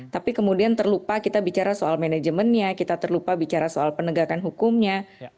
tapi kemudian terlupa kita bicara soal manajemennya kita terlupa bicara soal penegakan hukumnya